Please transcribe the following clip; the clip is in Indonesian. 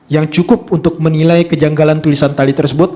yang cukup untuk menilai kejanggalan tulisan tali tersebut